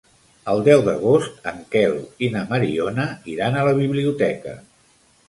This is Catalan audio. El deu d'agost en Quel i na Mariona iran a la biblioteca.